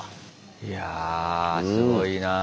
いやすごいなぁ。